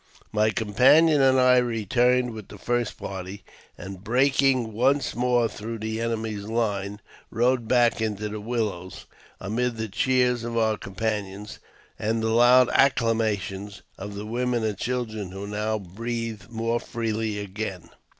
My companion and I returned with the first party, and, breaking once more through the enemy's line, rode back into the willows, amid the cheers of our companions and the loud acclamations of the women and children, who now breathed more freely again.